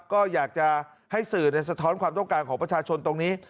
ก็อยากจะให้สื่อสะท้อนความต้องการของประชาชนตรงนี้